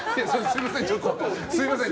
すみません。